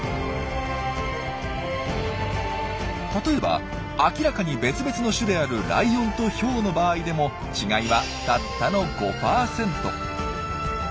例えば明らかに別々の種であるライオンとヒョウの場合でも違いはたったの５％。